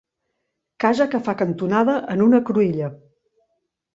Casa que fa cantonada en una cruïlla.